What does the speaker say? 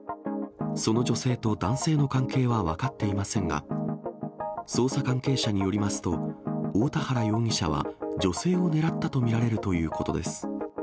その女性と男性の関係は分かっていませんが、捜査関係者によりますと、大田原容疑者は、女性を狙ったと見られるということです。